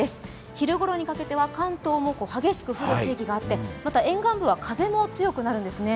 昼ごろにかけては関東も激しく降る地域もあってまた、沿岸部は風も強くなるんですね。